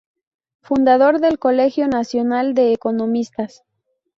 Fundador del Colegio Nacional de Economistas.